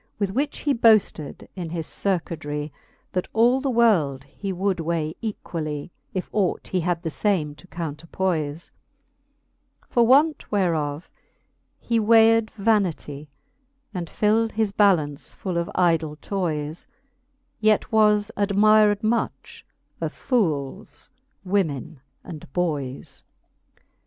With which he boafted in his furquedrie, That all the world he would weigh equallie, If ought he had the fame to counterpoys. For want whereof he weighed vanity, And fild his ballaunce full of idle toys : Yet was admired much of foolcs, women, and boys.